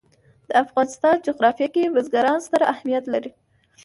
د افغانستان جغرافیه کې بزګان ستر اهمیت لري.